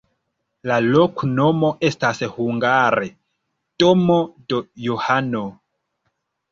La loknomo estas hungare: domo de Johano.